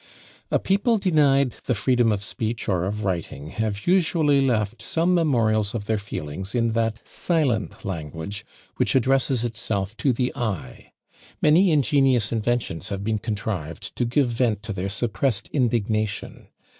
A people denied the freedom of speech or of writing have usually left some memorials of their feelings in that silent language which addresses itself to the eye. Many ingenious inventions have been contrived to give vent to their suppressed indignation.